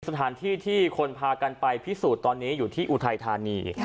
สถานที่ที่คนพากันไปพิสูจน์ตอนนี้อยู่ที่อุทัยธานี